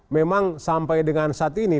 memang sampai dengan saat ini